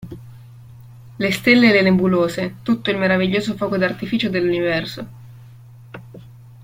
Le stelle e le nebulose tutto il meraviglioso fuoco d'artificio dell'universo.